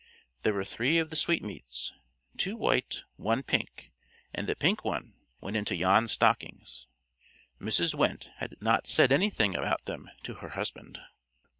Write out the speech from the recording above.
There were three of the sweetmeats two white, one pink and the pink one went into Jan's stockings. Mrs. Wendte had not said anything about them to her husband.